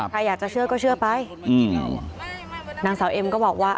ใครอยากจะเชื่อก็เชื่อไปนางสาวเอ็มก็บอกว่า